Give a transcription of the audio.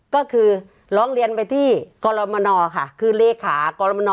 ก็คือร้องเรียนไปที่กรมนค่ะคือเลขากรมน